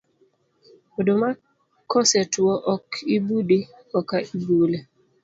Oduma kosetwo ok ibudi koka ibule.